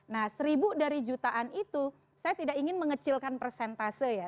nah seribu dari jutaan itu saya tidak ingin mengecilkan persentase ya